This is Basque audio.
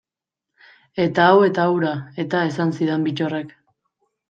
Eta hau eta hura, eta esan zidan Bittorrek.